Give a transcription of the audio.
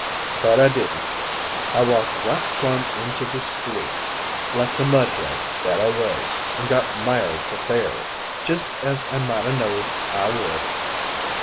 But I didn't. I walked right plum into the sloo, like the mudhead that I was, an' got mired for fair jes as I might a knowed I would.